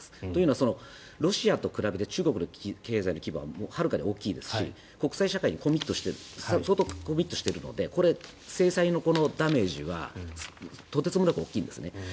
というのは、ロシアと比べて中国の経済の規模ははるかに大きいですし国際社会に相当コミットしているのでこれ、制裁のダメージはとてつもなく大きいんですね。